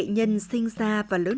và những tâm quý của các bạn